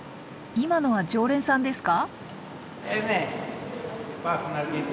今のは常連さんですか？